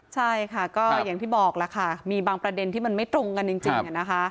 ใช่ค่ะก็อย่างที่บอกล่ะค่ะมีบางประเด็นที่มันไม่ตรงกันจริง